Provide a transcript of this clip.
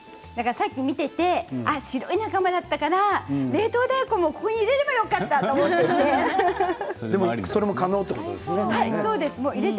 さっき見ていて白い仲間だったからああ、冷凍大根もここに入れればよかったと思って。